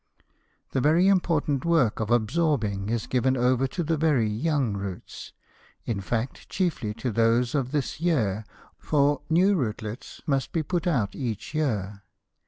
The very important work of absorbing is given over to the very young roots; in fact, chiefly to those of this year, for new rootlets must be put out each year.